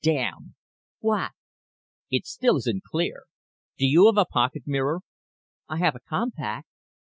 "Damn." "What?" "It still isn't clear. Do you have a pocket mirror?" "I have a compact."